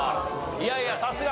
いやいやさすが。